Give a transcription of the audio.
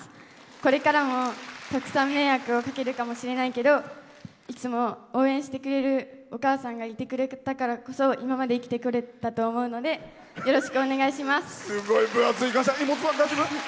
これからもたくさん迷惑をかけるかもしれないけどいつも応援してくれるお母さんがいてくれたからこそ今まで生きてこれたと思うのでよろしくお願いします。